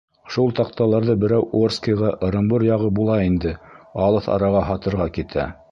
Шул таҡталарҙы берәү Орскиға, Ырымбур яғы була инде, алыҫ араға һатырға китә.